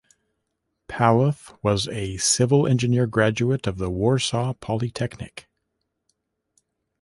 Palluth was a civil-engineer graduate of the Warsaw Polytechnic.